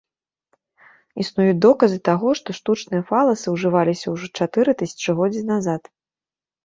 Існуюць доказы таго, што штучныя фаласы ўжываліся ўжо чатыры тысячагоддзя назад.